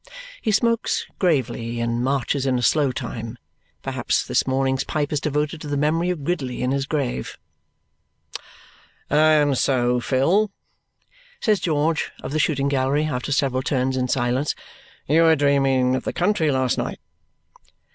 He smokes gravely and marches in slow time. Perhaps this morning's pipe is devoted to the memory of Gridley in his grave. "And so, Phil," says George of the shooting gallery after several turns in silence, "you were dreaming of the country last night?"